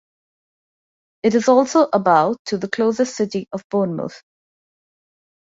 It is also about to the closest city of Bournemouth.